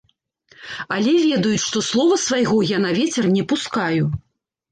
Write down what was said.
Але ведаюць, што слова свайго я на вецер не пускаю.